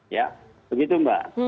ya begitu mbak